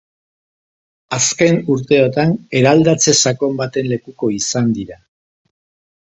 Azken urteotan eraldatze sakon baten lekuko izan dira.